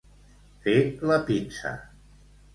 Fer la pinça.